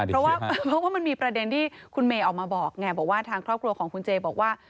เพราะว่าเพราะว่ามันมีประเด็นที่คุณเมย์ออกมาบอกไงบอกว่าทางครอบครัวของคุณเจบอกว่า